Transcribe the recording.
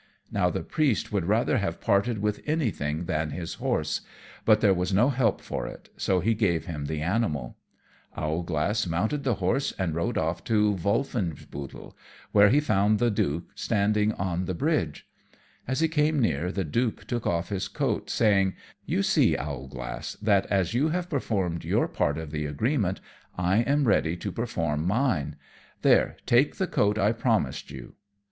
Now the Priest would rather have parted with anything than his horse; but there was no help for it, so he gave him the animal. Owlglass mounted the horse and rode off to Wolfenbuttel, where he found the Duke standing on the bridge. As he came near, the Duke took off his coat, saying, "You see, Owlglass, that as you have performed your part of the agreement I am ready to perform mine. There, take the coat I promised you."